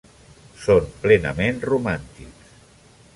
Són plenament romàntics.